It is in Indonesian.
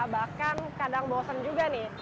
bahkan kadang bosen juga nih